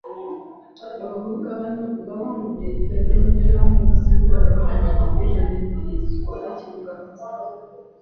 Abavubuka ba NUP bawangudde ebifo ebironderwamu ebisinga obungi mu divizoni ebbiri ezikola ekibuga Masaka.